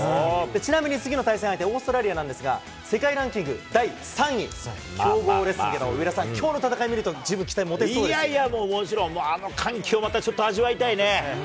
ちなみに次の対戦相手、オーストラリアなんですが、世界ランキング第３位、強豪ですけど、上田さん、きょうの戦い見ると、いやいや、もうもちろん、あの歓喜をまたちょっと味わいたいね。